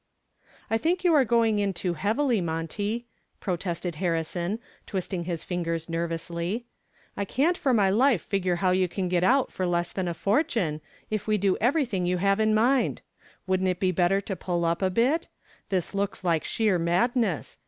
"I think you are going in too heavily, Monty," protested Harrison, twisting his fingers nervously. "I can't for my life figure how you can get out for less than a fortune, if we do everything you have in mind. Wouldn't it be better to pull up a bit? This looks like sheer madness.